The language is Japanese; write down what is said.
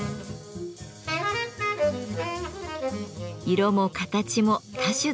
色も形も多種多様。